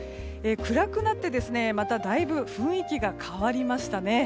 暗くなって、まただいぶ雰囲気が変わりましたね。